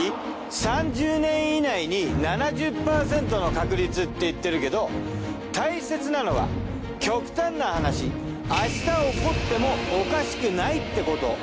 ３０年以内に７０％の確率って言ってるけど大切なのは極端な話明日起こってもおかしくないってこと。